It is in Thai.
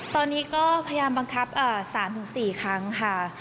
ตอนนี้ก็พยายามบังคับ๓๔ครั้งค่ะ